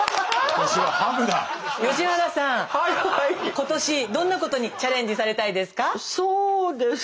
今年どんなことにチャレンジされたいですか？